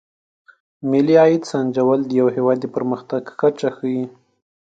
د ملي عاید سنجول د یو هېواد د پرمختګ کچه ښيي.